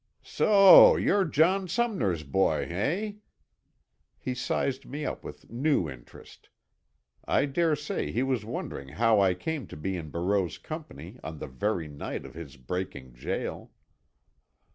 "So you're John Sumner's boy, eh?" He sized me up with new interest. I dare say he was wondering how I came to be in Barreau's company on the very night of his breaking jail.